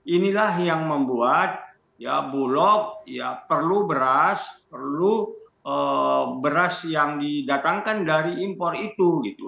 inilah yang membuat bulog perlu beras perlu beras yang didatangkan dari impor itu gitu